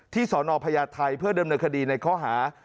สนพญาไทยเพื่อดำเนินคดีในข้อหา